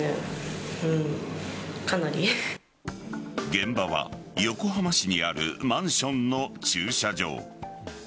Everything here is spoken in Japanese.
現場は横浜市にあるマンションの駐車場。